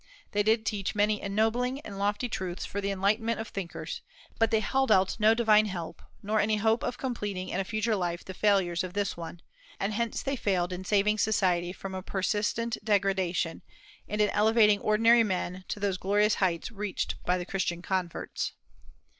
They did teach many ennobling and lofty truths for the enlightenment of thinkers; but they held out no divine help, nor any hope of completing in a future life the failures of this one; and hence they failed in saving society from a persistent degradation, and in elevating ordinary men to those glorious heights reached by the Christian converts.